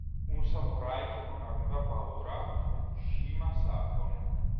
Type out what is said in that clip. Un samurai che non aveva paura fu Shima Sakon.